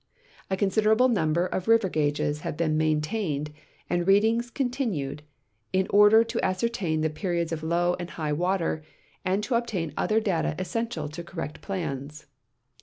A considerable num ber of river gauges have been maintained and readings continued in order to ascertain the periods of low and high water and to obtain other data essential to correct plans.